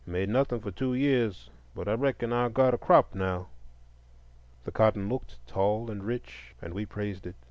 Made nothing for two years, but I reckon I've got a crop now." The cotton looked tall and rich, and we praised it.